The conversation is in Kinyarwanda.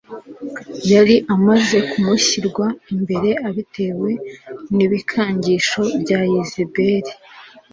yari amaze kumushyirwa imbere abitewe nibikangisho bya Yezebeli